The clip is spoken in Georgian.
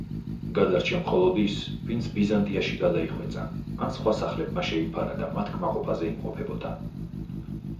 გადარჩა მხოლოდ ის, ვინც ბიზანტიაში გადაიხვეწა ან სხვა სახლებმა შეიფარა და მათ კმაყოფაზე იმყოფებოდა.